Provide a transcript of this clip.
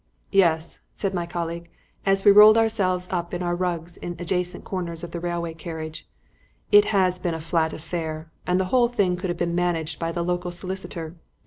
"Yes," said my colleague, as we rolled ourselves up in our rugs in adjacent corners of the railway carriage, "it has been a flat affair, and the whole thing could have been managed by the local solicitor.